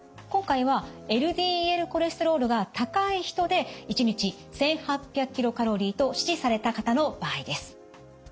今回はＬＤＬコレステロールが高い人で１日１８００ｋｃａｌと指示された方の場合です。